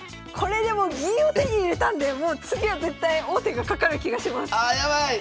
これでもう銀を手に入れたんで次は絶対王手がかかる気がします。